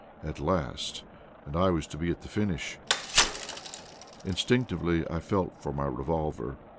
At last, and I was to be at the finish! Instinctively I felt for my revolver.